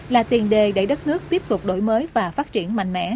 là tiền đề để đất nước tiếp tục đổi mới và phát triển